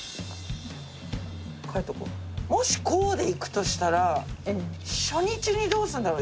もしこうでいくとしたら初日にどうするんだろう。